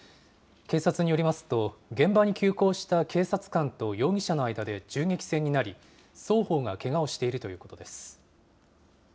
警察によりますと、現場に急行した警察官と容疑者の間で銃撃戦になり、双方がけがをしているということです。